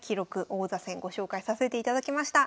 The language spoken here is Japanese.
王座戦ご紹介させていただきました。